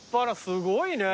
すごいね。